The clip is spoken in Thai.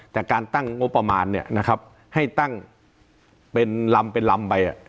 แต่การตั้งงบประมาณเนี่ยนะครับให้ตั้งเป็นลำเป็นลำไป